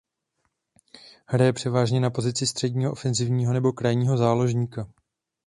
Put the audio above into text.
Hraje převážně na pozici středního ofenzivního nebo krajního záložníka.